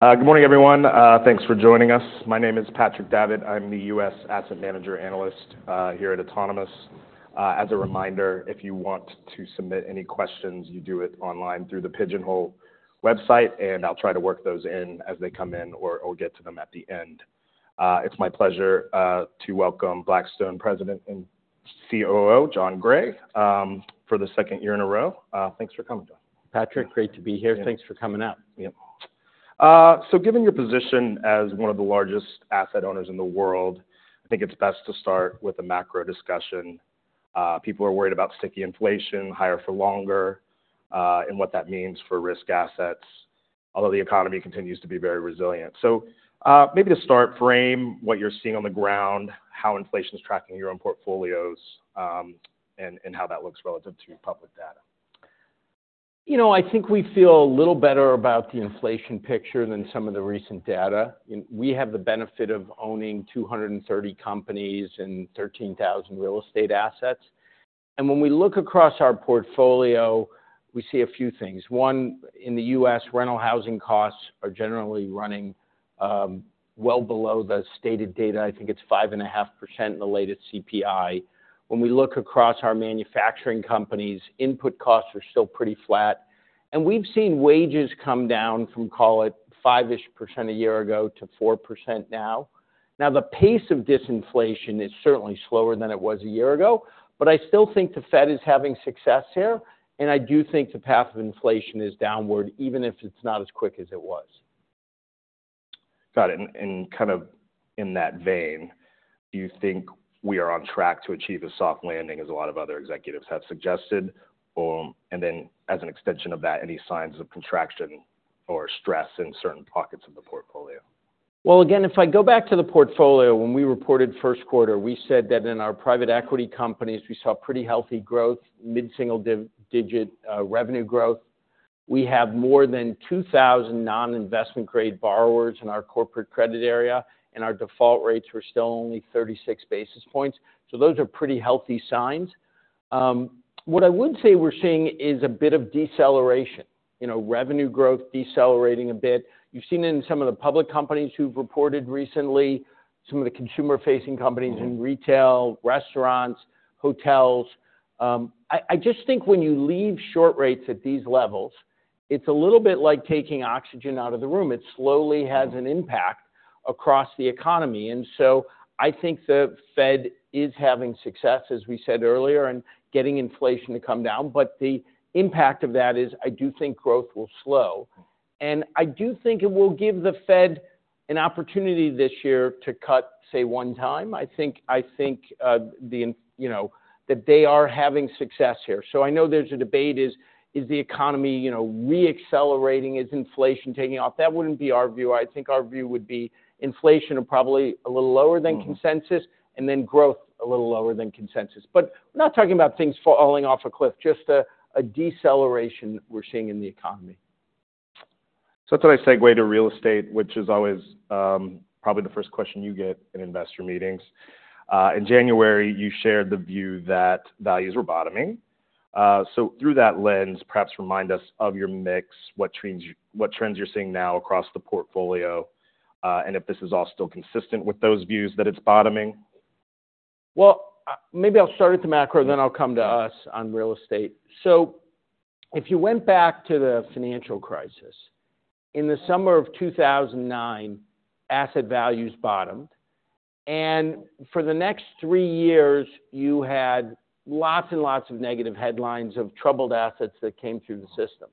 Good morning, everyone. Thanks for joining us. My name is Patrick Davitt. I'm the US Asset Manager Analyst here at Autonomous. As a reminder, if you want to submit any questions, you do it online through the Pigeonhole website, and I'll try to work those in as they come in or get to them at the end. It's my pleasure to welcome Blackstone President and COO, Jon Gray, for the second year in a row. Thanks for coming, Jon. Patrick, great to be here. Yeah. Thanks for coming out. Yep. So given your position as one of the largest asset owners in the world, I think it's best to start with a macro discussion. People are worried about sticky inflation, higher for longer, and what that means for risk assets, although the economy continues to be very resilient. So, maybe to start, frame what you're seeing on the ground, how inflation is tracking your own portfolios, and how that looks relative to public data. You know, I think we feel a little better about the inflation picture than some of the recent data. And we have the benefit of owning 230 companies and 13,000 real estate assets. And when we look across our portfolio, we see a few things. One, in the U.S., rental housing costs are generally running well below the stated data. I think it's 5.5% in the latest CPI. When we look across our manufacturing companies, input costs are still pretty flat. And we've seen wages come down from, call it, 5-ish% a year ago to 4% now. Now, the pace of disinflation is certainly slower than it was a year ago, but I still think the Fed is having success here, and I do think the path of inflation is downward, even if it's not as quick as it was. Got it. And kind of in that vein, do you think we are on track to achieve a soft landing, as a lot of other executives have suggested? And then as an extension of that, any signs of contraction or stress in certain pockets of the portfolio? Well, again, if I go back to the portfolio, when we reported first quarter, we said that in our private equity companies, we saw pretty healthy growth, mid-single digit revenue growth. We have more than 2,000 non-investment grade borrowers in our corporate credit area, and our default rates were still only 36 basis points. So those are pretty healthy signs. What I would say we're seeing is a bit of deceleration. You know, revenue growth decelerating a bit. You've seen it in some of the public companies who've reported recently, some of the consumer-facing companies- Mm-hmm. in retail, restaurants, hotels. I just think when you leave short rates at these levels, it's a little bit like taking oxygen out of the room. It slowly has an impact across the economy. And so I think the Fed is having success, as we said earlier, in getting inflation to come down, but the impact of that is, I do think growth will slow. And I do think it will give the Fed an opportunity this year to cut, say, one time. I think, you know, that they are having success here. So I know there's a debate, is the economy, you know, re-accelerating? Is inflation taking off? That wouldn't be our view. I think our view would be inflation are probably a little lower than consensus- Mm. and then growth a little lower than consensus. But we're not talking about things falling off a cliff, just a deceleration we're seeing in the economy. So that's a nice segue to real estate, which is always, probably the first question you get in investor meetings. In January, you shared the view that values were bottoming. So through that lens, perhaps remind us of your mix, what trends, what trends you're seeing now across the portfolio, and if this is all still consistent with those views, that it's bottoming. Well, maybe I'll start with the macro- Yeah... and then I'll come to us on real estate. So if you went back to the financial crisis, in the summer of 2009, asset values bottomed, and for the next three years, you had lots and lots of negative headlines of troubled assets that came through the system.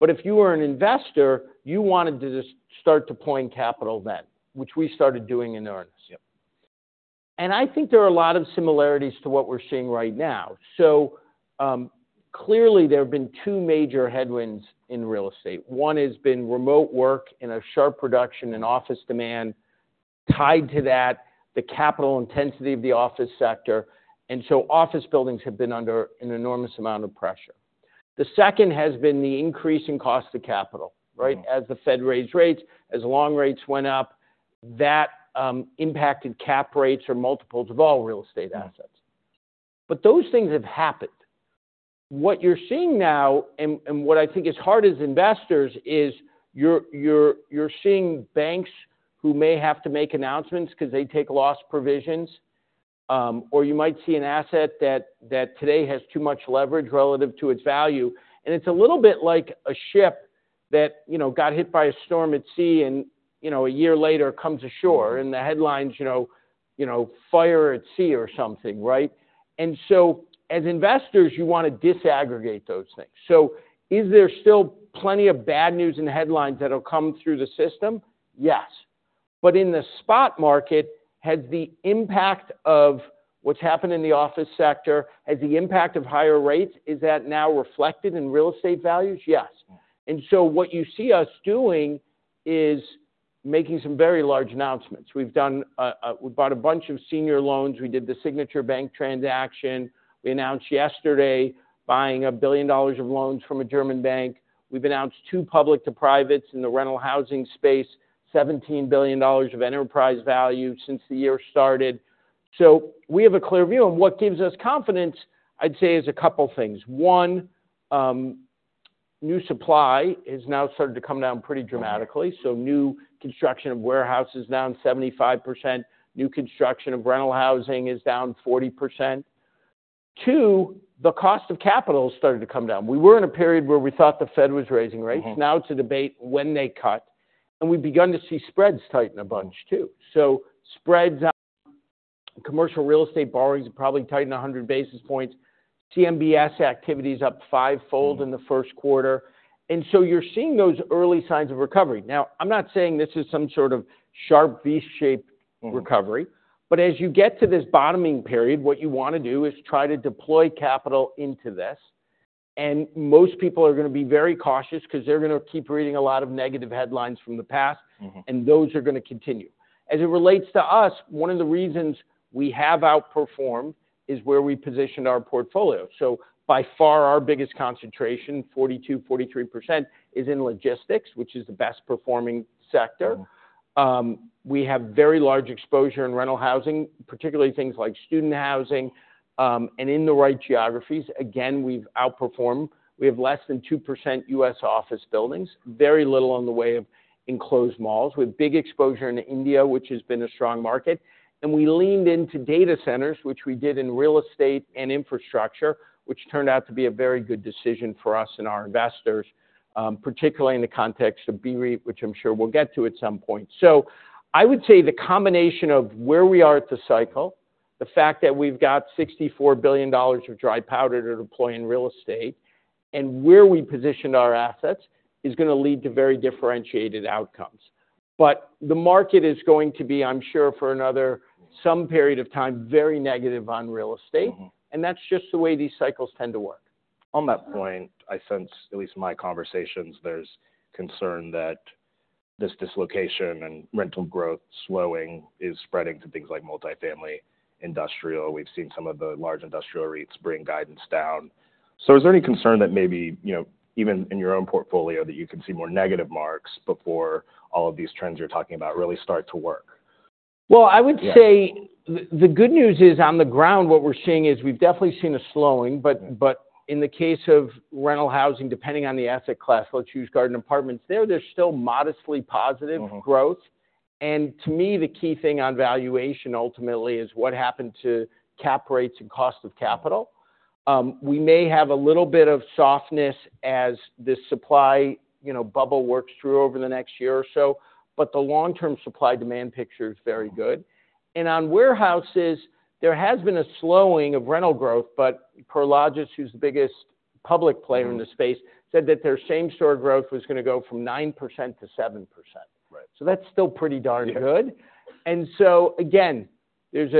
But if you were an investor, you wanted to just start deploying capital then, which we started doing in earnest. Yep. I think there are a lot of similarities to what we're seeing right now. So, clearly, there have been two major headwinds in real estate. One has been remote work and a sharp reduction in office demand, tied to that, the capital intensity of the office sector, and so office buildings have been under an enormous amount of pressure. The second has been the increasing cost of capital, right? Mm. As the Fed raised rates, as long rates went up, that impacted cap rates or multiples of all real estate assets. Mm. But those things have happened. What you're seeing now, and what I think is hard as investors, is you're seeing banks who may have to make announcements because they take loss provisions, or you might see an asset that today has too much leverage relative to its value. It's a little bit like a ship that, you know, got hit by a storm at sea and, you know, a year later comes ashore. Mm. The headlines, you know, you know, fire at sea or something, right? So as investors, you want to disaggregate those things. So is there still plenty of bad news in the headlines that will come through the system? Yes. But in the spot market, has the impact of what's happened in the office sector, has the impact of higher rates, is that now reflected in real estate values? Yes. Mm. And so what you see us doing is making some very large announcements. We've bought a bunch of senior loans. We did the Signature Bank transaction. We announced yesterday buying $1 billion of loans from a German bank. We've announced two public to privates in the rental housing space, $17 billion of enterprise value since the year started. So we have a clear view, and what gives us confidence, I'd say, is a couple things. One, new supply has now started to come down pretty dramatically. So new construction of warehouse is down 75%. New construction of rental housing is down 40%. Two, the cost of capital has started to come down. We were in a period where we thought the Fed was raising rates. Mm-hmm. Now it's a debate when they cut, and we've begun to see spreads tighten a bunch, too. So spreads, commercial real estate borrowings have probably tightened 100 basis points. CMBS activity is up fivefold in the first quarter. And so you're seeing those early signs of recovery. Now, I'm not saying this is some sort of sharp V-shaped recovery- Mm. but as you get to this bottoming period, what you wanna do is try to deploy capital into this, and most people are gonna be very cautious 'cause they're gonna keep reading a lot of negative headlines from the past. Mm-hmm. Those are gonna continue. As it relates to us, one of the reasons we have outperformed is where we positioned our portfolio. By far, our biggest concentration, 42%-43%, is in logistics, which is the best performing sector. Mm. We have very large exposure in rental housing, particularly things like student housing, and in the right geographies. Again, we've outperformed. We have less than 2% U.S. office buildings, very little in the way of enclosed malls. We have big exposure in India, which has been a strong market. And we leaned into data centers, which we did in real estate and infrastructure, which turned out to be a very good decision for us and our investors, particularly in the context of BREIT, which I'm sure we'll get to at some point. So I would say the combination of where we are at the cycle, the fact that we've got $64 billion of dry powder to deploy in real estate, and where we positioned our assets, is gonna lead to very differentiated outcomes. The market is going to be, I'm sure, for another some period of time, very negative on real estate. Mm-hmm. That's just the way these cycles tend to work. On that point, I sense, at least in my conversations, there's concern that this dislocation and rental growth slowing is spreading to things like multifamily industrial. We've seen some of the large industrial REITs bring guidance down. So is there any concern that maybe, you know, even in your own portfolio, that you can see more negative marks before all of these trends you're talking about really start to work? Well, I would say- Yeah... the good news is, on the ground, what we're seeing is we've definitely seen a slowing, but in the case of rental housing, depending on the asset class, let's use garden apartments, there, there's still modestly positive- Mm-hmm - growth. And to me, the key thing on valuation ultimately is what happened to cap rates and cost of capital. We may have a little bit of softness as this supply, you know, bubble works through over the next year or so, but the long-term supply-demand picture is very good. And on warehouses, there has been a slowing of rental growth, but Prologis, who's the biggest public player- Mm - in the space, said that their same-store growth was gonna go from 9% to 7%. Right. That's still pretty darn good. Yeah. So again, there's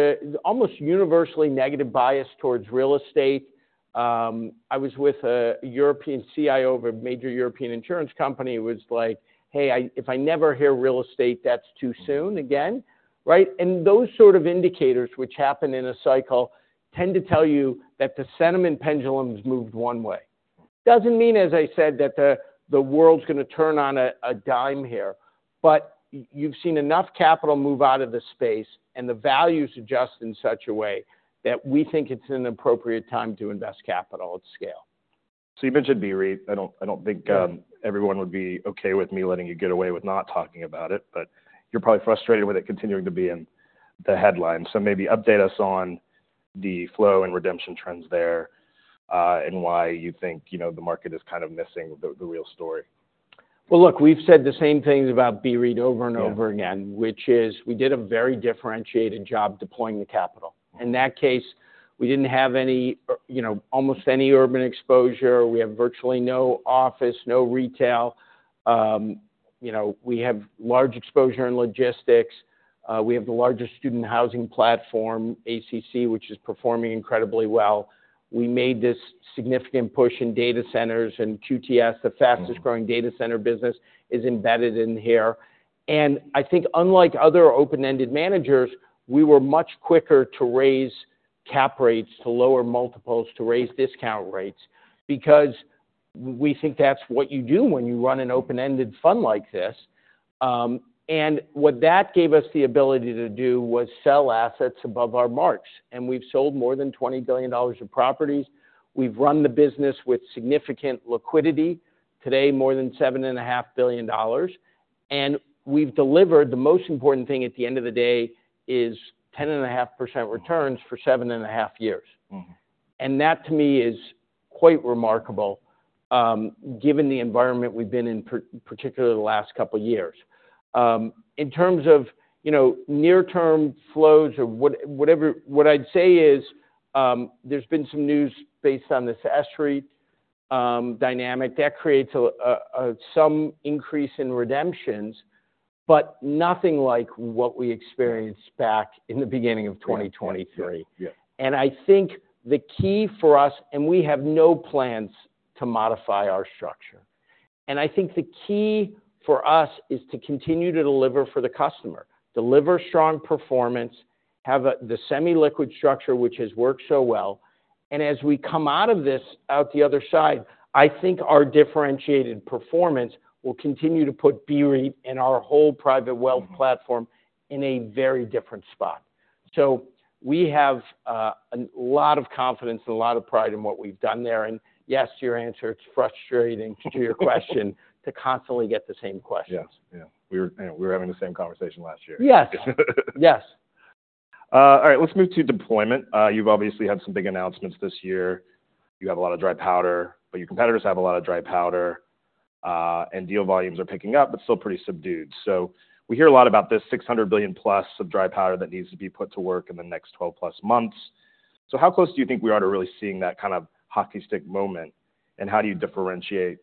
almost universally negative bias towards real estate. I was with a European CIO of a major European insurance company, who was like, "Hey, I if I never hear real estate, that's too soon again." Right? Those sort of indicators, which happen in a cycle, tend to tell you that the sentiment pendulum's moved one way. Doesn't mean, as I said, that the world's gonna turn on a dime here, but you've seen enough capital move out of the space, and the values adjust in such a way that we think it's an appropriate time to invest capital at scale. So you mentioned BREIT. I don't think- Yeah Everyone would be okay with me letting you get away with not talking about it, but you're probably frustrated with it continuing to be in the headlines. So maybe update us on the flow and redemption trends there, and why you think, you know, the market is kind of missing the real story. Well, look, we've said the same things about BREIT over and over again- Yeah... which is we did a very differentiated job deploying the capital. Mm. In that case, we didn't have any, you know, almost any urban exposure. We have virtually no office, no retail. You know, we have large exposure in logistics, we have the largest student housing platform, ACC, which is performing incredibly well. We made this significant push in data centers, and QTS- Mm The fastest growing data center business is embedded in here. I think unlike other open-ended managers, we were much quicker to raise cap rates, to lower multiples, to raise discount rates, because we think that's what you do when you run an open-ended fund like this. And what that gave us the ability to do was sell assets above our marks, and we've sold more than $20 billion of properties. We've run the business with significant liquidity. Today, more than $7.5 billion. And we've delivered the most important thing at the end of the day is 10.5% returns for 7.5 years. Mm-hmm. And that, to me, is quite remarkable, given the environment we've been in, particularly the last couple years. In terms of, you know, near-term flows or whatever. What I'd say is, there's been some news based on the SREIT dynamic, that creates some increase in redemptions, but nothing like what we experienced- Yeah... back in the beginning of 2023. Yeah, yeah. I think the key for us is to continue to deliver for the customer, deliver strong performance, have the semi-liquid structure, which has worked so well. And as we come out of this, out the other side, I think our differentiated performance will continue to put BREIT and our whole private wealth platform in a very different spot. So we have a lot of confidence and a lot of pride in what we've done there. And yes, to answer your question, it's frustrating to constantly get the same questions. Yes. Yeah, we were, you know, we were having the same conversation last year. Yes. Yes. All right, let's move to deployment. You've obviously had some big announcements this year. You have a lot of dry powder, but your competitors have a lot of dry powder, and deal volumes are picking up, but still pretty subdued. So we hear a lot about this $600 billion+ of dry powder that needs to be put to work in the next 12+ months. So how close do you think we are to really seeing that kind of hockey stick moment? And how do you differentiate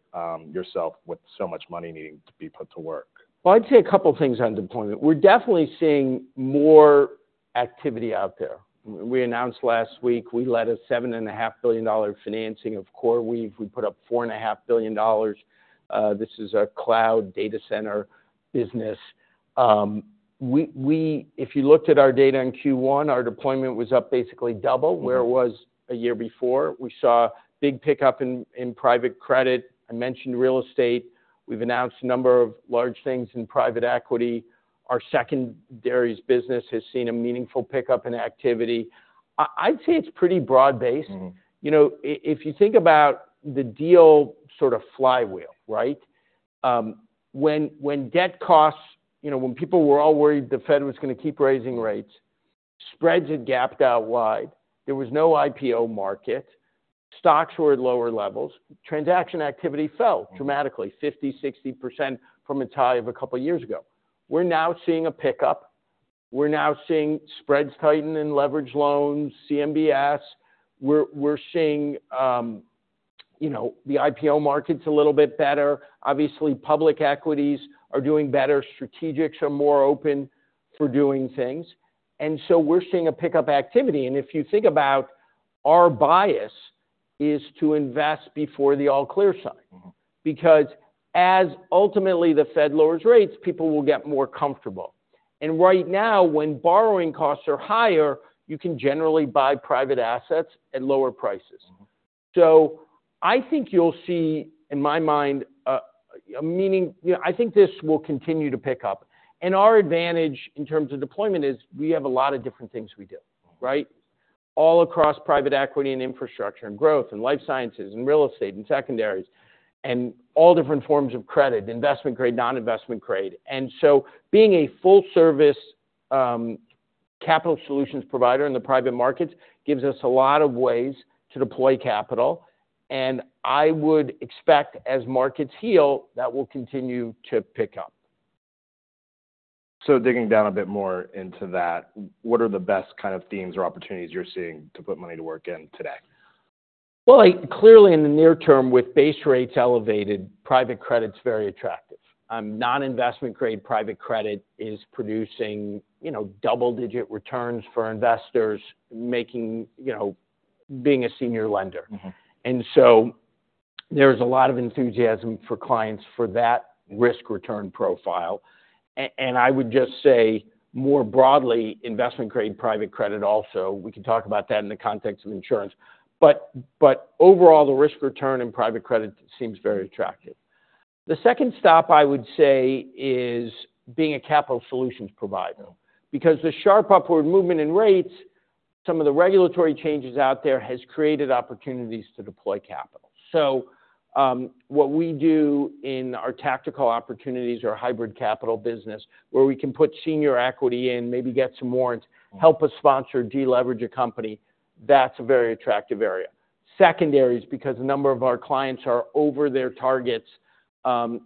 yourself with so much money needing to be put to work? Well, I'd say a couple of things on deployment. We're definitely seeing more activity out there. We announced last week, we led a $7.5 billion financing of CoreWeave. We put up $4.5 billion. This is a cloud data center business. If you looked at our data in Q1, our deployment was up basically double- Mm-hmm... where it was a year before. We saw a big pickup in private credit. I mentioned real estate. We've announced a number of large things in private equity. Our secondaries business has seen a meaningful pickup in activity. I'd say it's pretty broad-based. Mm-hmm. You know, if you think about the deal sort of flywheel, right? When debt costs, you know, when people were all worried the Fed was going to keep raising rates, spreads had gapped out wide. There was no IPO market. Stocks were at lower levels. Transaction activity fell- Mm... dramatically, 50%-60% from its high of a couple of years ago. We're now seeing a pickup. We're now seeing spreads tighten in leveraged loans, CMBS. We're seeing, you know, the IPO market's a little bit better. Obviously, public equities are doing better. Strategics are more open for doing things, and so we're seeing a pickup activity. And if you think about our bias is to invest before the all-clear sign. Mm-hmm. Because as ultimately the Fed lowers rates, people will get more comfortable. Right now, when borrowing costs are higher, you can generally buy private assets at lower prices. Mm-hmm. So I think you'll see, in my mind, You know, I think this will continue to pick up. And our advantage in terms of deployment is, we have a lot of different things we do, right? All across private equity, and infrastructure, and growth, and life sciences, and real estate, and secondaries, and all different forms of credit, investment grade, non-investment grade. And so being a full service capital solutions provider in the private markets, gives us a lot of ways to deploy capital, and I would expect, as markets heal, that will continue to pick up. Digging down a bit more into that, what are the best kind of themes or opportunities you're seeing to put money to work in today? Well, clearly, in the near term, with base rates elevated, private credit's very attractive. Non-investment grade private credit is producing, you know, double-digit returns for investors making—you know—being a senior lender. Mm-hmm. So there's a lot of enthusiasm for clients for that risk-return profile. And I would just say, more broadly, investment-grade private credit also, we can talk about that in the context of insurance. But overall, the risk-return in private credit seems very attractive. The second stop, I would say, is being a capital solutions provider. Mm. Because the sharp upward movement in rates, some of the regulatory changes out there, has created opportunities to deploy capital. So, what we do in our tactical opportunities or hybrid capital business, where we can put senior equity in, maybe get some warrants- Mm... help us sponsor, de-leverage a company, that's a very attractive area. Secondaries, because a number of our clients are over their targets,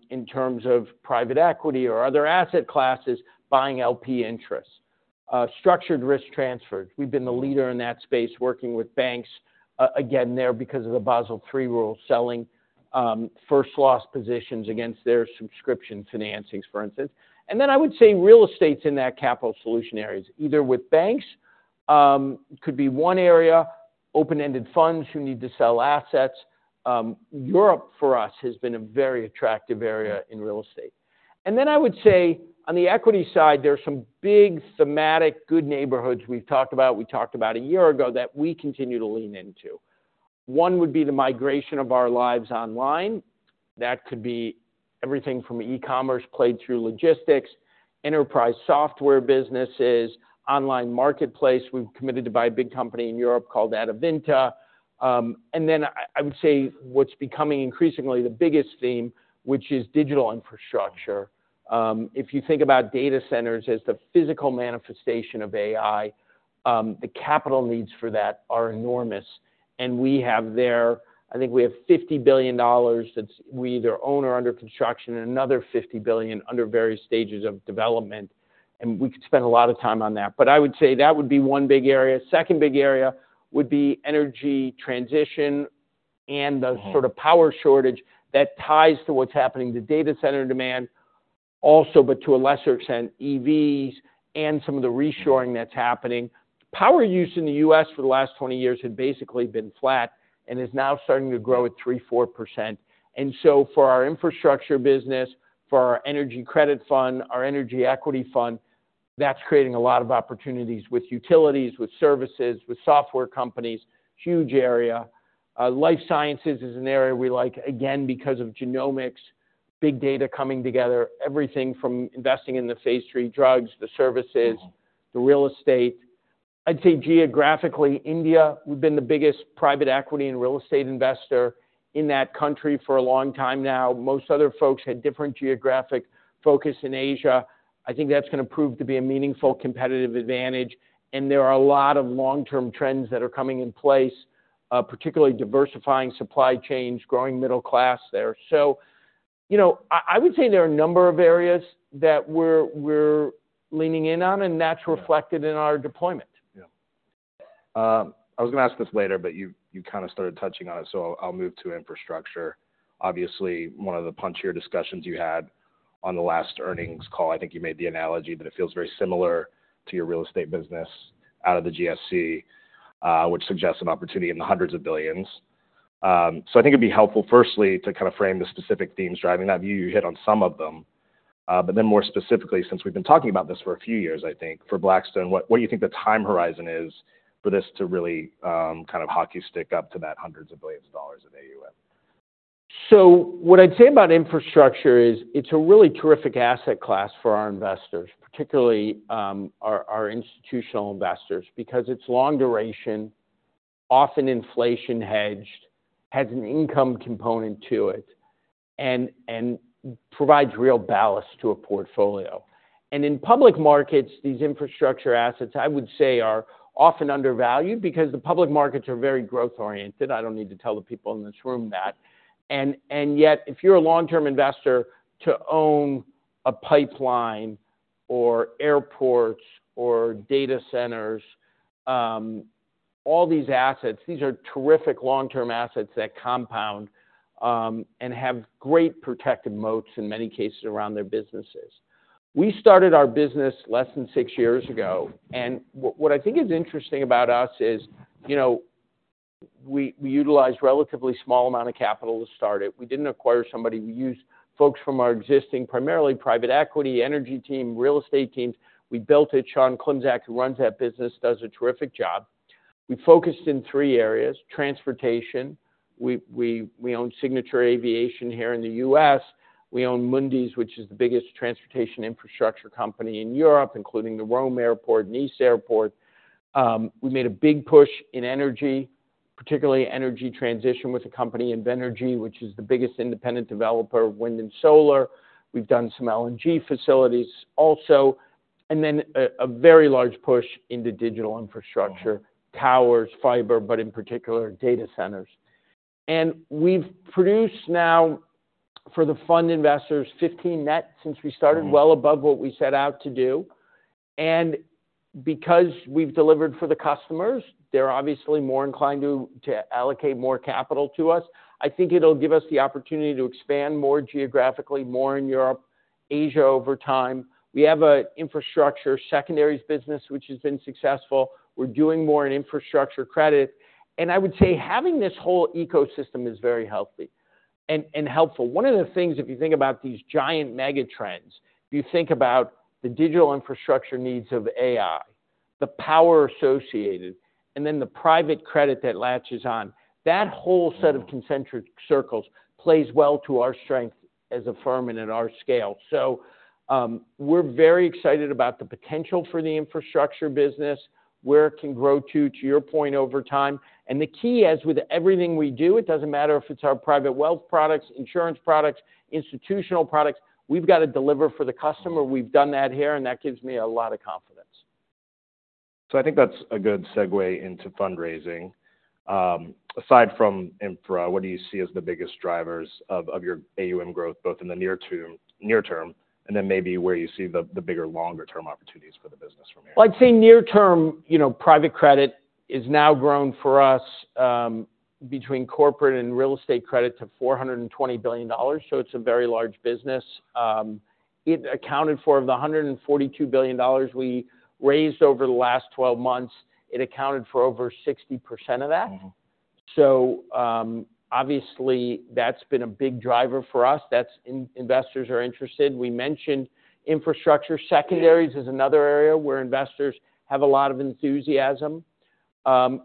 in terms of private equity or other asset classes, buying LP interests. Structured risk transfers, we've been the leader in that space, working with banks, again, there, because of the Basel III rule, selling, first loss positions against their subscription financings, for instance. And then I would say real estate's in that capital solution areas, either with banks, could be one area, open-ended funds who need to sell assets. Europe, for us, has been a very attractive area- Mm... in real estate. And then I would say on the equity side, there are some big, thematic, good neighborhoods we've talked about, we talked about a year ago, that we continue to lean into. One would be the migration of our lives online. That could be everything from e-commerce played through logistics, enterprise software businesses, online marketplace. We've committed to buy a big company in Europe called Adevinta. And then I would say what's becoming increasingly the biggest theme, which is digital infrastructure. If you think about data centers as the physical manifestation of AI, the capital needs for that are enormous, and we have there, I think we have $50 billion that's we either own or under construction, and another $50 billion under various stages of development, and we could spend a lot of time on that. I would say that would be one big area. Second big area would be energy transition and the- Mm-hmm... sort of power shortage that ties to what's happening to data center demand, also, but to a lesser extent, EVs and some of the reshoring that's happening. Power use in the U.S. for the last 20 years had basically been flat and is now starting to grow at 3%-4%. And so for our infrastructure business, for our energy credit fund, our energy equity fund, that's creating a lot of opportunities with utilities, with services, with software companies, huge area. Life sciences is an area we like, again, because of genomics, big data coming together, everything from investing in the phase III drugs, the services- Mm. The real estate. I'd say geographically, India, we've been the biggest private equity and real estate investor in that country for a long time now. Most other folks had different geographic focus in Asia. I think that's gonna prove to be a meaningful competitive advantage, and there are a lot of long-term trends that are coming in place, particularly diversifying supply chains, growing middle class there. So, you know, I, I would say there are a number of areas that we're, we're leaning in on, and that's reflected in our deployment. Yeah. I was gonna ask this later, but you kind of started touching on it, so I'll move to infrastructure. Obviously, one of the punchier discussions you had on the last earnings call, I think you made the analogy that it feels very similar to your real estate business out of the GFC, which suggests an opportunity in the hundreds of billions. So I think it'd be helpful, firstly, to kind of frame the specific themes driving that view. You hit on some of them. But then more specifically, since we've been talking about this for a few years, I think, for Blackstone, what do you think the time horizon is for this to really kind of hockey stick up to that hundreds of billions of dollars of AUM? So what I'd say about infrastructure is, it's a really terrific asset class for our investors, particularly our institutional investors, because it's long duration, often inflation-hedged, has an income component to it, and provides real balance to a portfolio. And in public markets, these infrastructure assets, I would say, are often undervalued because the public markets are very growth-oriented. I don't need to tell the people in this room that. And yet, if you're a long-term investor, to own a pipeline or airports or data centers, all these assets, these are terrific long-term assets that compound and have great protective moats, in many cases, around their businesses. We started our business less than six years ago, and what I think is interesting about us is, you know, we utilized relatively small amount of capital to start it. We didn't acquire somebody. We used folks from our existing, primarily private equity, energy team, real estate teams. We built it. Sean Klimczak, who runs that business, does a terrific job. We focused in three areas: transportation. We own Signature Aviation here in the U.S. We own Mundys, which is the biggest transportation infrastructure company in Europe, including the Rome Airport, Nice Airport. We made a big push in energy, particularly energy transition, with a company, Invenergy, which is the biggest independent developer of wind and solar. We've done some LNG facilities also, and then a very large push into digital infrastructure. Mm. - towers, fiber, but in particular, data centers. We've produced now, for the fund investors, 15 net since we started- Mm... well above what we set out to do. And because we've delivered for the customers, they're obviously more inclined to allocate more capital to us. I think it'll give us the opportunity to expand more geographically, more in Europe, Asia over time. We have an infrastructure secondaries business, which has been successful. We're doing more in infrastructure credit. And I would say having this whole ecosystem is very healthy and helpful. One of the things, if you think about these giant mega trends, if you think about the digital infrastructure needs of AI, the power associated, and then the private credit that latches on, that whole set- Mm of concentric circles plays well to our strength as a firm and in our scale. So, we're very excited about the potential for the infrastructure business, where it can grow to your point, over time. The key, as with everything we do, it doesn't matter if it's our private wealth products, insurance products, institutional products, we've got to deliver for the customer. We've done that here, and that gives me a lot of confidence. I think that's a good segue into fundraising. Aside from infra, what do you see as the biggest drivers of your AUM growth, both in the near term, and then maybe where you see the bigger, longer term opportunities for the business from here? Well, I'd say near term, you know, private credit is now grown for us between corporate and real estate credit to $420 billion, so it's a very large business. It accounted for, of the $142 billion we raised over the last 12 months, it accounted for over 60% of that. Mm. So, obviously, that's been a big driver for us. That's investors are interested. We mentioned infrastructure. Secondaries is another area where investors have a lot of enthusiasm,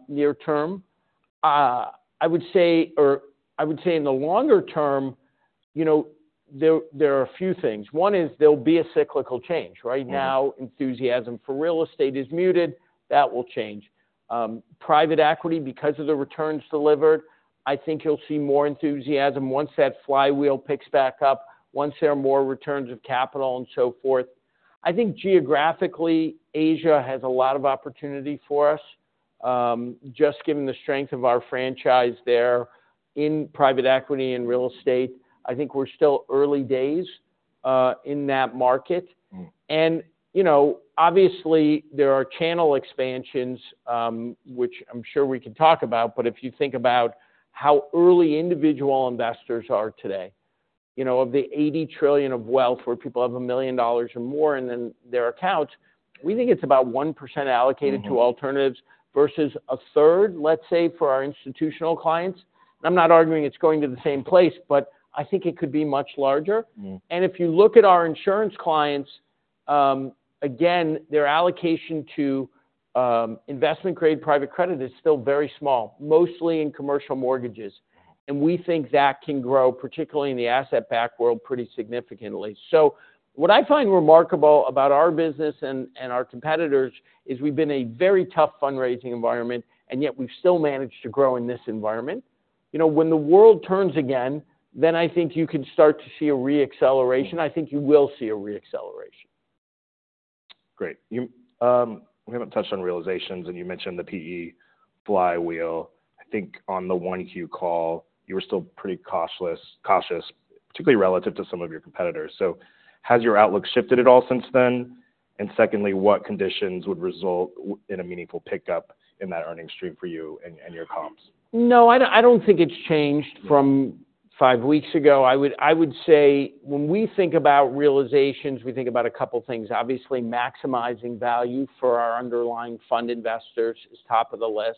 near term. I would say... or I would say in the longer term, you know, there, there are a few things. One is there'll be a cyclical change. Mm. Right now, enthusiasm for real estate is muted. That will change. Private equity, because of the returns delivered, I think you'll see more enthusiasm once that flywheel picks back up, once there are more returns of capital and so forth. I think geographically, Asia has a lot of opportunity for us, just given the strength of our franchise there in private equity and real estate. I think we're still early days, in that market. Mm. You know, obviously, there are channel expansions, which I'm sure we can talk about, but if you think about how early individual investors are today, you know, of the $80 trillion of wealth where people have $1 million or more, and then their accounts, we think it's about 1% allocated- Mm-hmm... to alternatives, versus a third, let's say, for our institutional clients. I'm not arguing it's going to the same place, but I think it could be much larger. Mm-hmm. And if you look at our insurance clients, again, their allocation to investment-grade private credit is still very small, mostly in commercial mortgages, and we think that can grow, particularly in the asset-backed world, pretty significantly. So what I find remarkable about our business and our competitors is we've been a very tough fundraising environment, and yet we've still managed to grow in this environment. You know, when the world turns again, then I think you can start to see a re-acceleration. I think you will see a re-acceleration. Great. You, we haven't touched on realizations, and you mentioned the PE flywheel. I think on the 1Q call, you were still pretty cautious, particularly relative to some of your competitors. So has your outlook shifted at all since then? And secondly, what conditions would result in a meaningful pickup in that earning stream for you and your comps? No, I don't, I don't think it's changed from five weeks ago. I would, I would say, when we think about realizations, we think about a couple things. Obviously, maximizing value for our underlying fund investors is top of the list.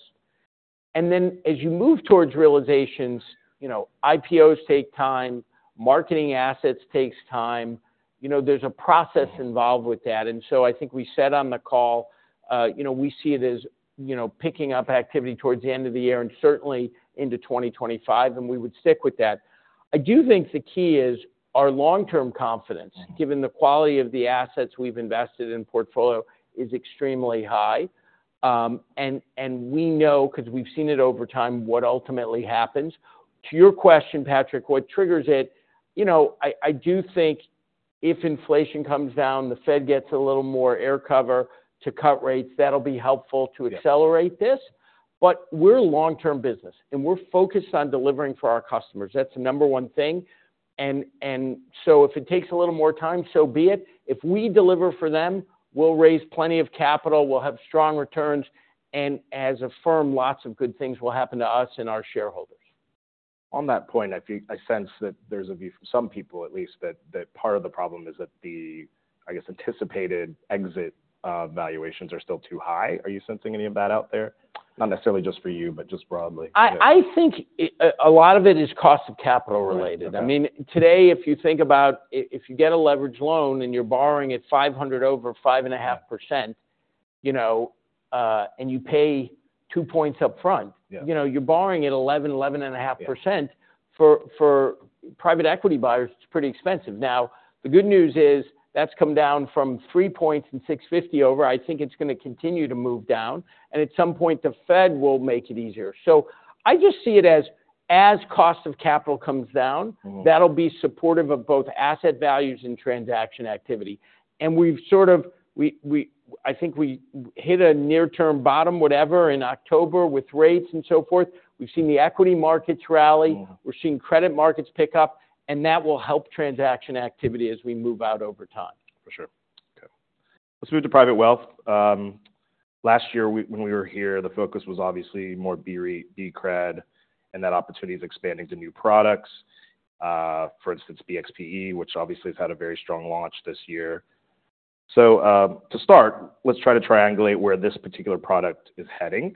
And then, as you move towards realizations, you know, IPOs take time, marketing assets takes time. You know, there's a process involved with that, and so I think we said on the call, you know, we see it as, you know, picking up activity towards the end of the year and certainly into 2025, and we would stick with that. I do think the key is our long-term confidence- Mm... given the quality of the assets we've invested in portfolio, is extremely high. And we know, because we've seen it over time, what ultimately happens. To your question, Patrick, what triggers it? You know, I do think if inflation comes down, the Fed gets a little more air cover to cut rates, that'll be helpful to accelerate this. Yeah. But we're a long-term business, and we're focused on delivering for our customers. That's the number one thing. And, and so if it takes a little more time, so be it. If we deliver for them, we'll raise plenty of capital, we'll have strong returns, and as a firm, lots of good things will happen to us and our shareholders. On that point, I sense that there's a view from some people at least, that that part of the problem is that the, I guess, anticipated exit valuations are still too high. Are you sensing any of that out there? Not necessarily just for you, but just broadly. I think, a lot of it is cost of capital related. Yeah. Okay. I mean, today, if you think about... if you get a leveraged loan and you're borrowing at 500 over 5.5%- Yeah... you know, and you pay two points upfront- Yeah... you know, you're borrowing at 11%-11.5%. Yeah. For private equity buyers, it's pretty expensive. Now, the good news is, that's come down from 3 points and 6.50 over. I think it's gonna continue to move down, and at some point, the Fed will make it easier. So I just see it as cost of capital comes down- Mm... that'll be supportive of both asset values and transaction activity. And we've sort of, I think we hit a near-term bottom, whatever, in October with rates and so forth. We've seen the equity markets rally- Mm. We're seeing credit markets pick up, and that will help transaction activity as we move out over time. For sure. Okay. Let's move to private wealth. Last year, we, when we were here, the focus was obviously more BREIT, BCRED, and that opportunity is expanding to new products. For instance, BXPE, which obviously has had a very strong launch this year. To start, let's try to triangulate where this particular product is heading.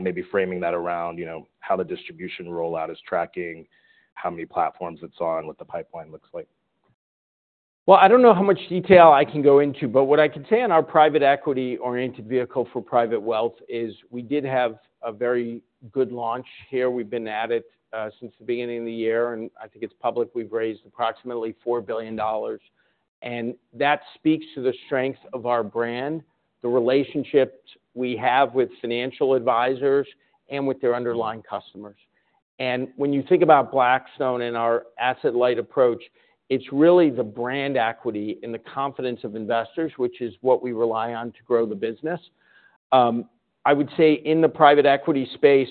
Maybe framing that around, you know, how the distribution rollout is tracking, how many platforms it's on, what the pipeline looks like. Well, I don't know how much detail I can go into, but what I can say on our private equity-oriented vehicle for private wealth is we did have a very good launch here. We've been at it since the beginning of the year, and I think it's public. We've raised approximately $4 billion, and that speaks to the strength of our brand, the relationships we have with financial advisors and with their underlying customers. And when you think about Blackstone and our asset light approach, it's really the brand equity and the confidence of investors, which is what we rely on to grow the business. I would say in the private equity space,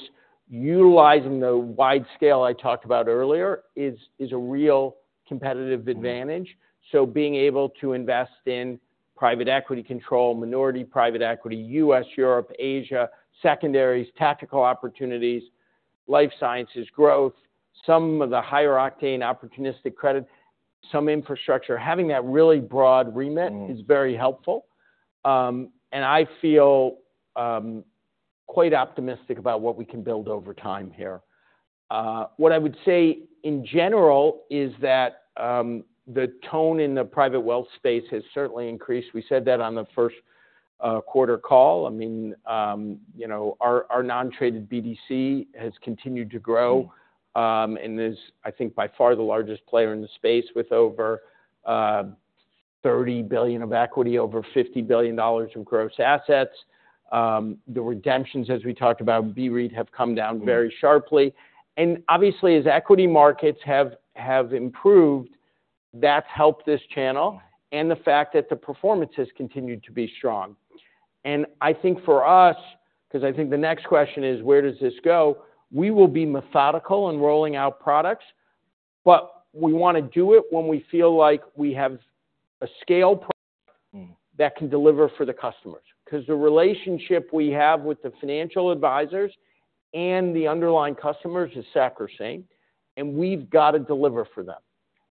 utilizing the wide scale I talked about earlier is a real competitive advantage. Mm. So being able to invest in private equity control, minority private equity, U.S., Europe, Asia, secondaries, tactical opportunities, life sciences, growth, some of the higher octane opportunistic credit, some infrastructure, having that really broad remit- Mm... is very helpful. And I feel quite optimistic about what we can build over time here. What I would say, in general, is that the tone in the private wealth space has certainly increased. We said that on the first quarter call. I mean, you know, our non-traded BDC has continued to grow- Mm... and is, I think, by far the largest player in the space, with over $30 billion of equity, over $50 billion of gross assets. The redemptions, as we talked about, BCRED, have come down very sharply. Mm. Obviously, as equity markets have improved, that's helped this channel, and the fact that the performance has continued to be strong. I think for us, because I think the next question is, where does this go? We will be methodical in rolling out products, but we wanna do it when we feel like we have a scale product- Mm... that can deliver for the customers. Because the relationship we have with the financial advisors and the underlying customers is sacrosanct, and we've got to deliver for them....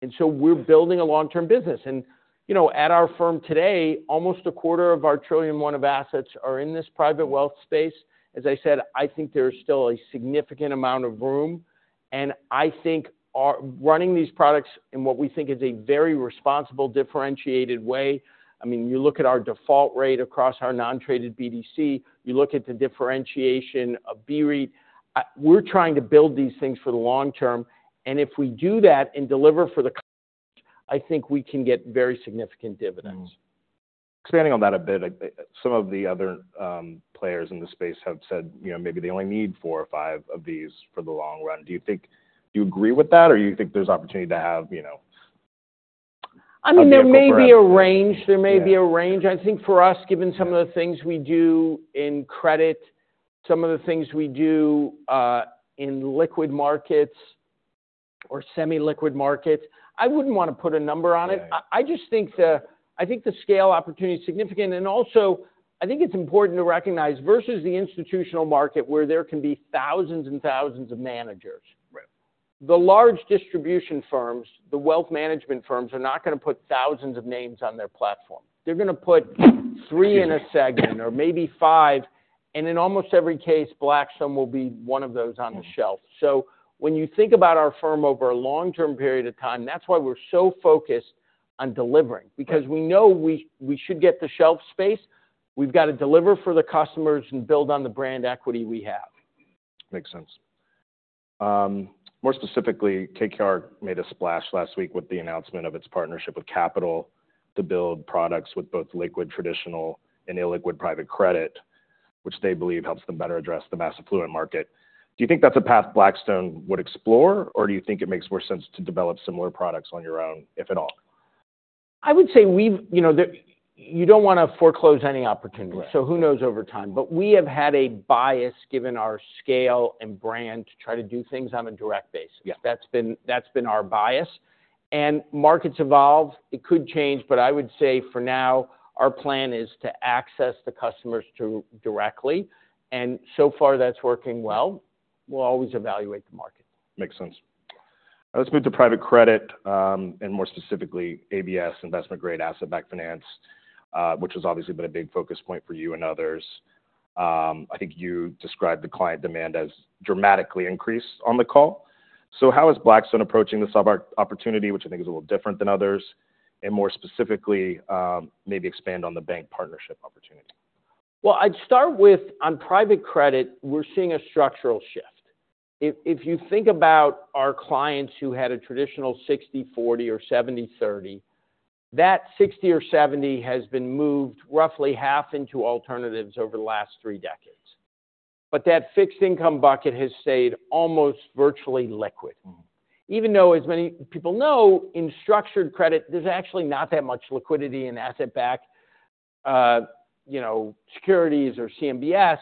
And so we're building a long-term business. And, you know, at our firm today, almost a quarter of our $1 trillion of assets are in this private wealth space. As I said, I think there's still a significant amount of room, and I think our-- running these products in what we think is a very responsible, differentiated way. I mean, you look at our default rate across our non-traded BDC, you look at the differentiation of BREIT, we're trying to build these things for the long term, and if we do that and deliver for the , I think we can get very significant dividends. Mm-hmm. Expanding on that a bit, some of the other players in the space have said, you know, maybe they only need four or five of these for the long run. Do you think, do you agree with that, or you think there's opportunity to have, you know, a vehicle for- I mean, there may be a range- Yeah. There may be a range. I think for us, given some of the things we do in credit, some of the things we do, in liquid markets or semi-liquid markets, I wouldn't wanna put a number on it. Yeah. I just think the scale opportunity is significant, and also, I think it's important to recognize, versus the institutional market, where there can be thousands and thousands of managers- Right... The large distribution firms, the wealth management firms, are not gonna put thousands of names on their platform. They're gonna put three in a segment or maybe five, and in almost every case, Blackstone will be one of those on the shelf. Mm-hmm. When you think about our firm over a long-term period of time, that's why we're so focused on delivering- Right... because we know we should get the shelf space. We've got to deliver for the customers and build on the brand equity we have. Makes sense. More specifically, KKR made a splash last week with the announcement of its partnership with Capital to build products with both liquid, traditional, and illiquid private credit, which they believe helps them better address the mass affluent market. Do you think that's a path Blackstone would explore, or do you think it makes more sense to develop similar products on your own, if at all? I would say we've, you know, you don't wanna foreclose any opportunity. Right. Who knows over time? But we have had a bias, given our scale and brand, to try to do things on a direct basis. Yeah. That's been our bias. Markets evolve. It could change, but I would say for now, our plan is to access the customers directly, and so far, that's working well. We'll always evaluate the market. Makes sense. Let's move to private credit, and more specifically, ABS, investment-grade asset-backed finance, which has obviously been a big focus point for you and others. I think you described the client demand as dramatically increased on the call. So how is Blackstone approaching the sub-arc opportunity, which I think is a little different than others? More specifically, maybe expand on the bank partnership opportunity. Well, I'd start with, on private credit, we're seeing a structural shift. If you think about our clients who had a traditional 60/40 or 70/30, that 60 or 70 has been moved roughly half into alternatives over the last three decades. But that fixed income bucket has stayed almost virtually liquid. Mm-hmm. Even though as many people know, in structured credit, there's actually not that much liquidity in asset-backed, you know, securities or CMBS,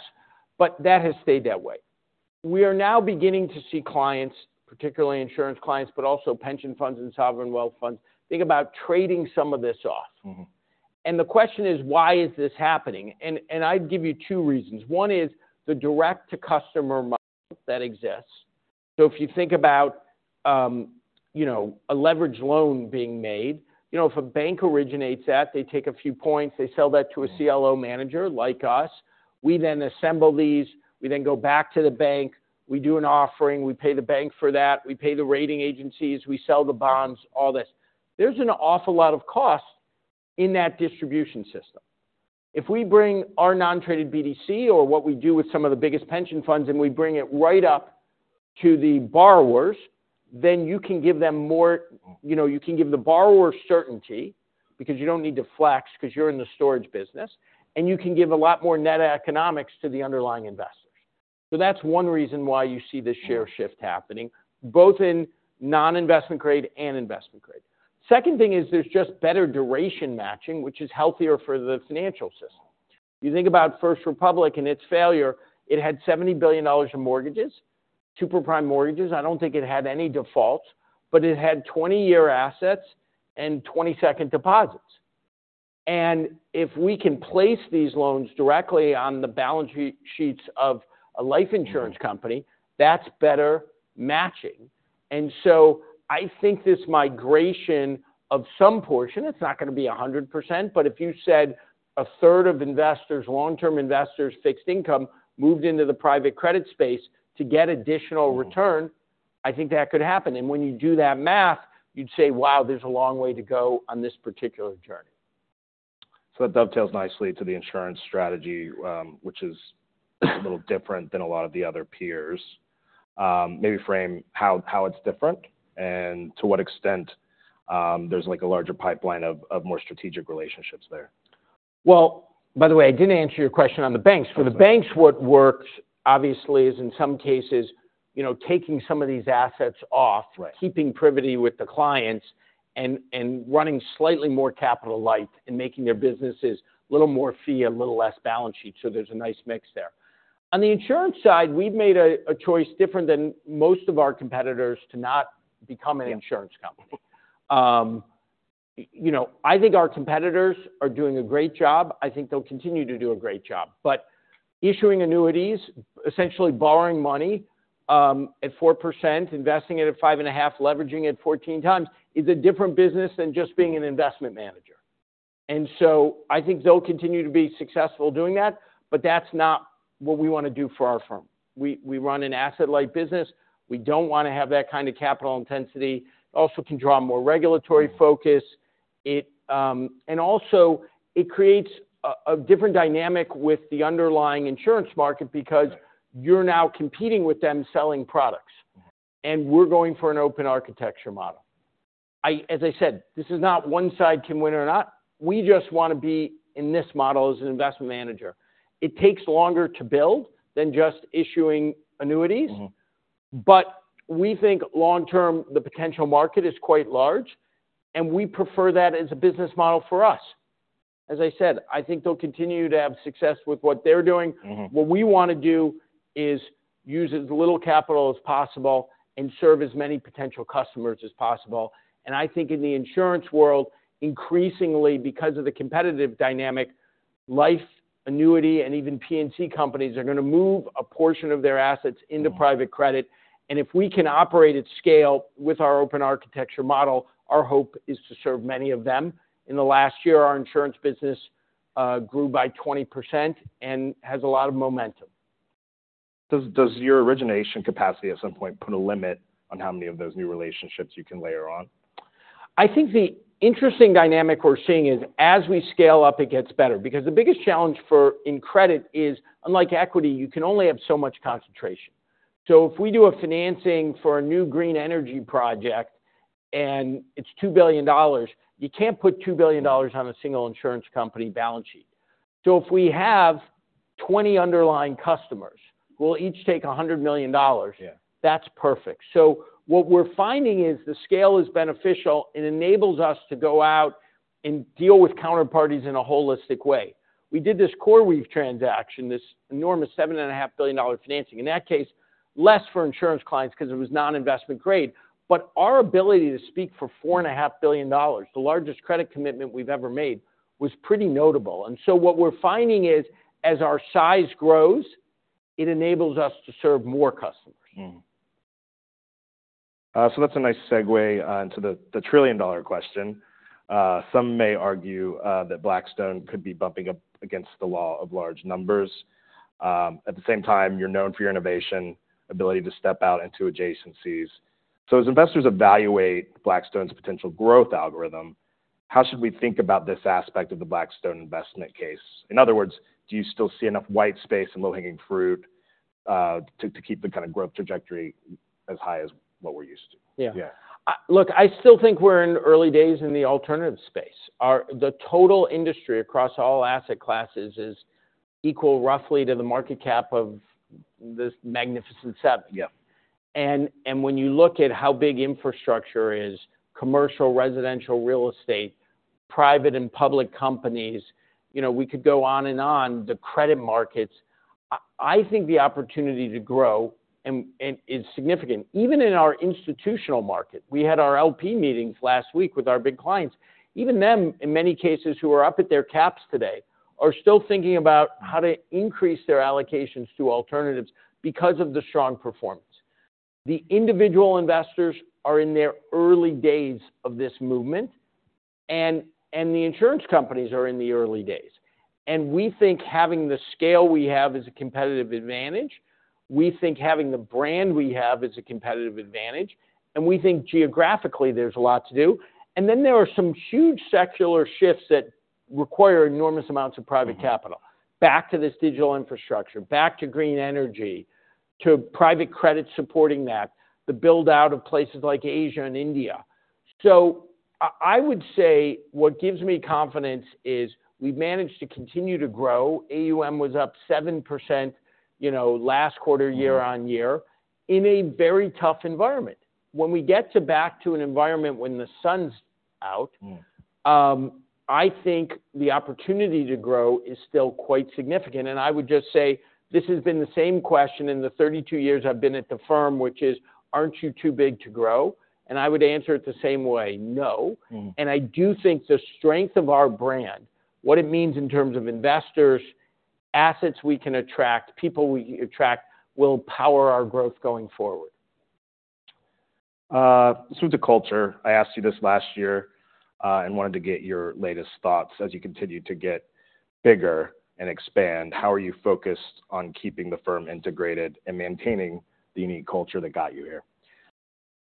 but that has stayed that way. We are now beginning to see clients, particularly insurance clients, but also pension funds and sovereign wealth funds, think about trading some of this off. Mm-hmm. The question is: Why is this happening? And I'd give you two reasons. One is the direct-to-customer model that exists. So if you think about, you know, a leveraged loan being made, you know, if a bank originates that, they take a few points, they sell that to- Mm... a CLO manager like us. We then assemble these, we then go back to the bank, we do an offering, we pay the bank for that, we pay the rating agencies, we sell the bonds, all this. There's an awful lot of cost in that distribution system. If we bring our non-traded BDC or what we do with some of the biggest pension funds, and we bring it right up to the borrowers, then you can give them more... You know, you can give the borrower certainty because you don't need to flex because you're in the storage business, and you can give a lot more net economics to the underlying investor. So that's one reason why you see this share- Mm... shift happening, both in non-investment grade and investment grade. Second thing is, there's just better duration matching, which is healthier for the financial system. You think about First Republic and its failure, it had $70 billion in mortgages, super prime mortgages. I don't think it had any defaults, but it had 20-year assets and 22nd deposits. And if we can place these loans directly on the balance sheets of a life insurance- Mm... company, that's better matching. And so I think this migration of some portion, it's not gonna be 100%, but if you said a third of investors, long-term investors, fixed income, moved into the private credit space to get additional return- Mm... I think that could happen. When you do that math, you'd say: Wow, there's a long way to go on this particular journey. So that dovetails nicely to the insurance strategy, which is a little different than a lot of the other peers. Maybe frame how it's different, and to what extent, there's like a larger pipeline of more strategic relationships there. Well, by the way, I didn't answer your question on the banks. That's all right. For the banks, what works obviously is, in some cases, you know, taking some of these assets off- Right... keeping privity with the clients and running slightly more capital light and making their businesses a little more fee and a little less balance sheet. So there's a nice mix there. On the insurance side, we've made a choice different than most of our competitors to not become an insurance company. Yeah.... you know, I think our competitors are doing a great job. I think they'll continue to do a great job. But issuing annuities, essentially borrowing money at 4%, investing it at 5.5, leveraging it 14x, is a different business than just being an investment manager. And so I think they'll continue to be successful doing that, but that's not what we wanna do for our firm. We run an asset-light business, we don't wanna have that kind of capital intensity. Also, it can draw more regulatory focus. It and also, it creates a different dynamic with the underlying insurance market because- Right You're now competing with them selling products. Mm-hmm. We're going for an open architecture model. I, as I said, this is not one side can win or not, we just wanna be in this model as an investment manager. It takes longer to build than just issuing annuities. Mm-hmm. But we think long term, the potential market is quite large, and we prefer that as a business model for us. As I said, I think they'll continue to have success with what they're doing. Mm-hmm. What we wanna do is use as little capital as possible and serve as many potential customers as possible. I think in the insurance world, increasingly, because of the competitive dynamic, life, annuity, and even P&C companies are gonna move a portion of their assets- Mm-hmm into private credit. And if we can operate at scale with our open architecture model, our hope is to serve many of them. In the last year, our insurance business grew by 20% and has a lot of momentum. Does your origination capacity at some point put a limit on how many of those new relationships you can layer on? I think the interesting dynamic we're seeing is, as we scale up, it gets better. Because the biggest challenge in credit is, unlike equity, you can only have so much concentration. So if we do a financing for a new green energy project, and it's $2 billion, you can't put $2 billion on a single insurance company balance sheet. So if we have 20 underlying customers, we'll each take a $100 million- Yeah That's perfect. So what we're finding is the scale is beneficial and enables us to go out and deal with counterparties in a holistic way. We did this CoreWeave transaction, this enormous $7.5 billion financing. In that case, less for insurance clients because it was non-investment grade, but our ability to speak for $4.5 billion, the largest credit commitment we've ever made, was pretty notable. And so what we're finding is, as our size grows, it enables us to serve more customers. Mm-hmm. So that's a nice segue into the trillion-dollar question. Some may argue that Blackstone could be bumping up against the law of large numbers. At the same time, you're known for your innovation, ability to step out into adjacencies. So as investors evaluate Blackstone's potential growth algorithm, how should we think about this aspect of the Blackstone investment case? In other words, do you still see enough white space and low-hanging fruit to keep the kind of growth trajectory as high as what we're used to? Yeah. Yeah. Look, I still think we're in the early days in the alternative space. The total industry across all asset classes is equal roughly to the market cap of this magnificent S&P. Yeah. And, and when you look at how big infrastructure is, commercial, residential, real estate, private and public companies, you know, we could go on and on, the credit markets. I, I think the opportunity to grow and, and is significant. Even in our institutional market, we had our LP meetings last week with our big clients. Even them, in many cases, who are up at their caps today, are still thinking about how to increase their allocations to alternatives because of the strong performance. The individual investors are in their early days of this movement, and, and the insurance companies are in the early days. And we think having the scale we have is a competitive advantage, we think having the brand we have is a competitive advantage, and we think geographically, there's a lot to do. There are some huge secular shifts that require enormous amounts of private capital. Mm-hmm. Back to this digital infrastructure, back to green energy, to private credit supporting that, the build-out of places like Asia and India. So I, I would say what gives me confidence is we've managed to continue to grow. AUM was up 7%, you know, last quarter- Mm... year-on-year, in a very tough environment. When we get back to an environment when the sun's out- Mm I think the opportunity to grow is still quite significant. I would just say, this has been the same question in the 32 years I've been at the firm, which is: Aren't you too big to grow? And I would answer it the same way: No. Mm. I do think the strength of our brand, what it means in terms of investors, assets we can attract, people we attract, will power our growth going forward. So the culture, I asked you this last year, and wanted to get your latest thoughts. As you continue to get bigger and expand, how are you focused on keeping the firm integrated and maintaining the unique culture that got you here?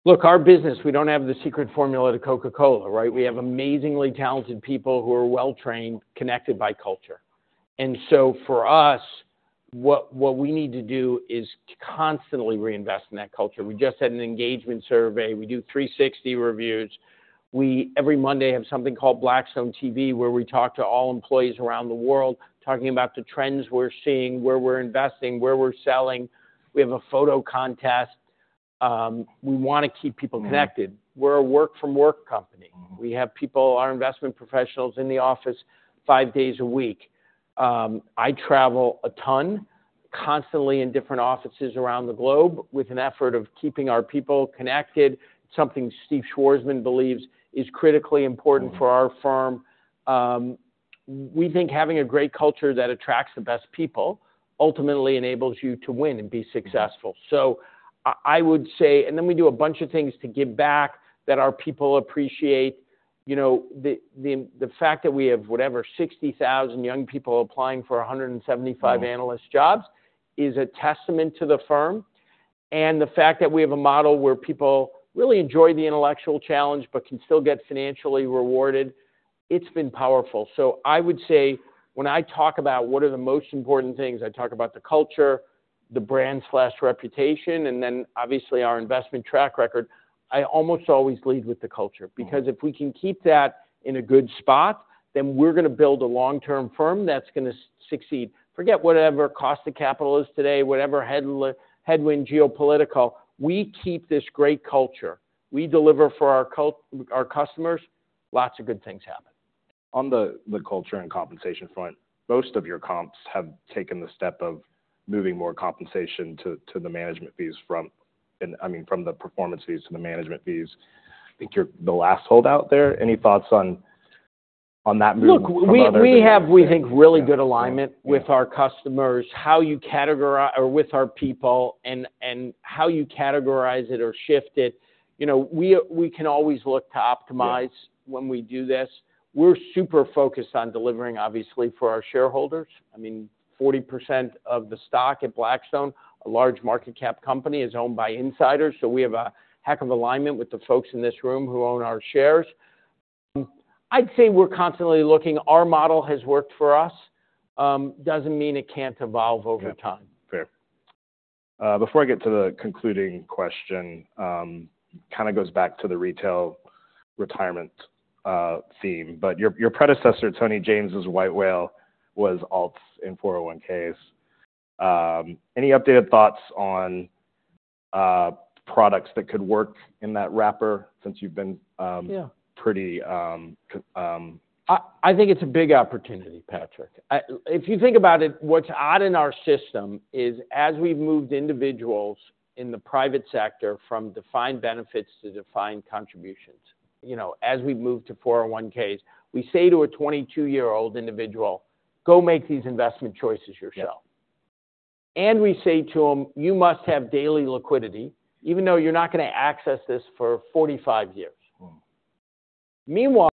Look, our business, we don't have the secret formula to Coca-Cola, right? We have amazingly talented people who are well trained, connected by culture. And so for us, what we need to do is constantly reinvest in that culture. We just had an engagement survey. We do 360 reviews. We, every Monday, have something called Blackstone TV, where we talk to all employees around the world, talking about the trends we're seeing, where we're investing, where we're selling. We have a photo contest. We wanna keep people connected. Mm. We're a work from work company. Mm. We have people, our investment professionals, in the office five days a week. I travel a ton constantly in different offices around the globe, with an effort of keeping our people connected, something Steve Schwarzman believes is critically important for our firm. We think having a great culture that attracts the best people ultimately enables you to win and be successful. So I would say and then we do a bunch of things to give back that our people appreciate. You know, the fact that we have, whatever, 60,000 young people applying for 175 analyst jobs, is a testament to the firm. And the fact that we have a model where people really enjoy the intellectual challenge, but can still get financially rewarded, it's been powerful. So I would say, when I talk about what are the most important things, I talk about the culture, the brand/reputation, and then obviously, our investment track record. I almost always lead with the culture- Mm. Because if we can keep that in a good spot, then we're gonna build a long-term firm that's gonna succeed. Forget whatever cost of capital is today, whatever headline headwind geopolitical, we keep this great culture. We deliver for our customers, lots of good things happen. On the culture and compensation front, most of your comps have taken the step of moving more compensation to the management fees, I mean, from the performance fees to the management fees. I think you're the last holdout there. Any thoughts on that move from other- Look, we have, we think, really good alignment- Yeah with our customers. How you categorize or with our people, and, and how you categorize it or shift it, you know, we, we can always look to optimize- Yeah When we do this. We're super focused on delivering, obviously, for our shareholders. I mean, 40% of the stock at Blackstone, a large market cap company, is owned by insiders, so we have a heck of alignment with the folks in this room who own our shares. I'd say we're constantly looking. Our model has worked for us, doesn't mean it can't evolve over time. Okay. Fair. Before I get to the concluding question, kinda goes back to the retail retirement theme. But your predecessor, Tony James', white whale, was alts in 401(k)s. Any updated thoughts on products that could work in that wrapper since you've been, Yeah... pretty, I think it's a big opportunity, Patrick. I— If you think about it, what's odd in our system, is as we've moved individuals in the private sector from defined benefits to defined contributions, you know, as we've moved to 401(k)s, we say to a 22-year-old individual, "Go make these investment choices yourself. Yeah. We say to them, "You must have daily liquidity, even though you're not gonna access this for 45 years. Mm. Meanwhile,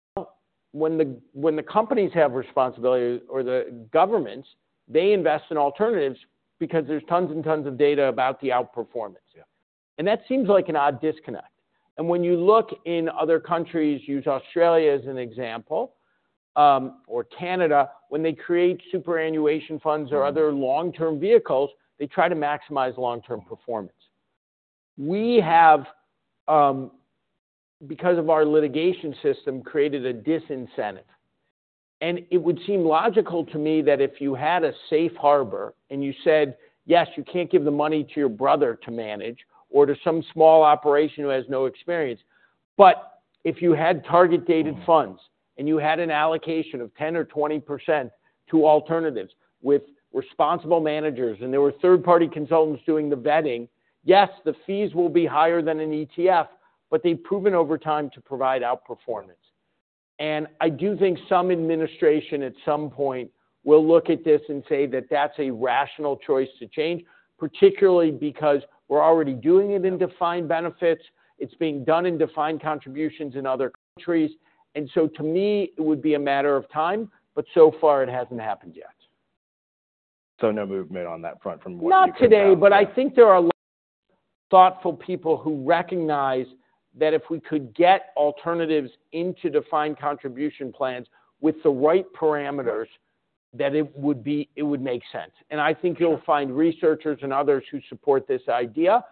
when the companies have responsibilities or the governments, they invest in alternatives because there's tons and tons of data about the outperformance. Yeah. That seems like an odd disconnect. When you look in other countries, use Australia as an example, or Canada, when they create superannuation funds or other long-term vehicles, they try to maximize long-term performance. We have, because of our litigation system, created a disincentive. It would seem logical to me that if you had a safe harbor, and you said, "Yes, you can't give the money to your brother to manage, or to some small operation who has no experience," but if you had target-date funds, and you had an allocation of 10% or 20% to alternatives with responsible managers, and there were third-party consultants doing the vetting, yes, the fees will be higher than an ETF, but they've proven over time to provide outperformance. And I do think some administration, at some point, will look at this and say that that's a rational choice to change, particularly because we're already doing it in defined benefits. It's being done in defined contributions in other countries. And so to me, it would be a matter of time, but so far, it hasn't happened yet. So no movement on that front from what you can tell? Not today, but I think there are thoughtful people who recognize that if we could get alternatives into defined contribution plans with the right parameters, that it would be, it would make sense. Yeah. I think you'll find researchers and others who support this idea.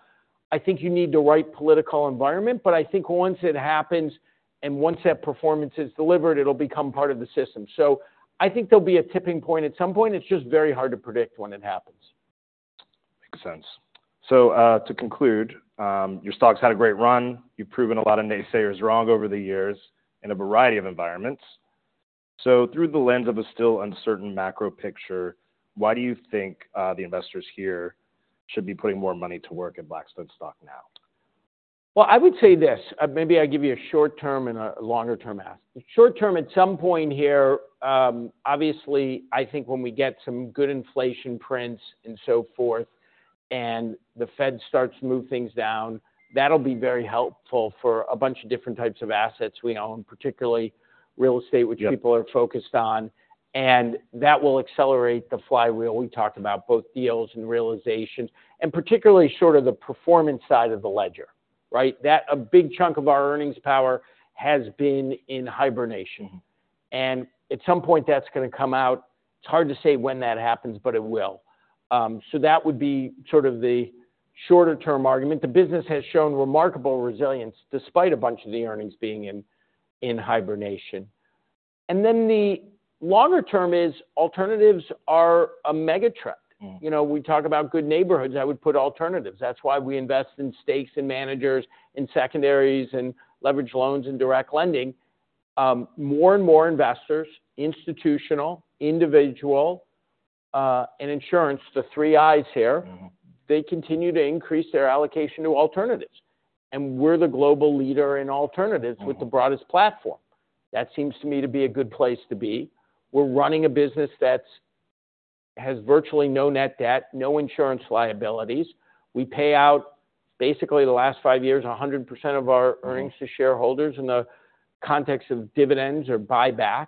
I think you need the right political environment, but I think once it happens, and once that performance is delivered, it'll become part of the system. I think there'll be a tipping point at some point, it's just very hard to predict when it happens. Makes sense. So, to conclude, your stock's had a great run. You've proven a lot of naysayers wrong over the years, in a variety of environments. So through the lens of a still uncertain macro picture, why do you think the investors here should be putting more money to work at Blackstone stock now? Well, I would say this... Maybe I give you a short-term and a longer-term ask. The short term, at some point here, obviously, I think when we get some good inflation prints and so forth, and the Fed starts to move things down, that'll be very helpful for a bunch of different types of assets we own, particularly real estate- Yeah... which people are focused on, and that will accelerate the flywheel. We talked about both deals and realization, and particularly shorter the performance side of the ledger, right? That. A big chunk of our earnings power has been in hibernation. Mm-hmm. At some point, that's gonna come out. It's hard to say when that happens, but it will. So that would be sort of the shorter-term argument. The business has shown remarkable resilience, despite a bunch of the earnings being in hibernation. Then the longer term is, alternatives are a mega trend. Mm. You know, we talk about good neighborhoods. I would put alternatives. That's why we invest in stakes and managers, in secondaries, and leveraged loans, and direct lending. More and more investors, institutional, individual, and insurance, the three I's here- Mm-hmm... they continue to increase their allocation to alternatives. And we're the global leader in alternatives- Mm... with the broadest platform. That seems to me to be a good place to be. We're running a business that has virtually no net debt, no insurance liabilities. We pay out, basically, the last five years, 100% of our earnings- Mm... to shareholders in the context of dividends or buybacks.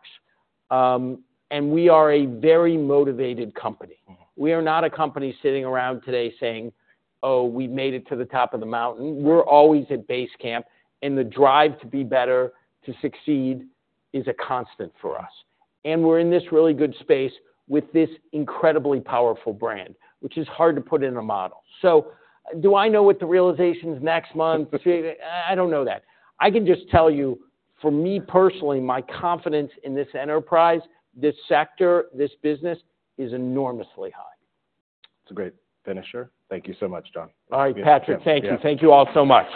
We are a very motivated company. Mm. We are not a company sitting around today saying, "Oh, we've made it to the top of the mountain." We're always at base camp, and the drive to be better, to succeed, is a constant for us. And we're in this really good space with this incredibly powerful brand, which is hard to put in a model. So do I know what the realization is next month? I, I don't know that. I can just tell you, for me personally, my confidence in this enterprise, this sector, this business, is enormously high. It's a great finisher. Thank you so much, Jon. All right, Patrick, thank you. Yeah. Thank you all so much.